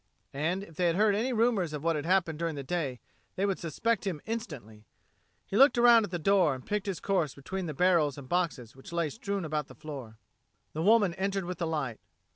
And, if they had heard any rumors of what had happened during the day, they would suspect him instantly. He looked around at the door and picked his course between the barrels and boxes which lay strewn about the floor. The woman entered with the light.